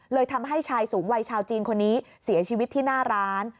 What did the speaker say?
ทำให้ชายสูงวัยชาวจีนคนนี้เสียชีวิตที่หน้าร้าน